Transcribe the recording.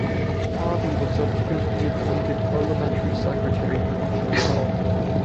Pavey was subsequently appointed Parliamentary Secretary for Regional Health.